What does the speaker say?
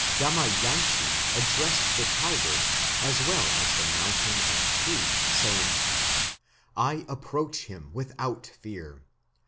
Damayanti addressed the tiger, as well as the mountain and tree, saying: I approach him without fear.